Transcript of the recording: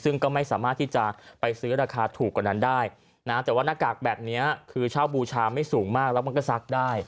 ซึ่งก็ไม่สามารถที่จะไปซื้อราคาถูกกว่านั้นได้นะแต่ว่าหน้ากากแบบนี้คือเช่าบูชาไม่สูงมากแล้วมันก็ซักได้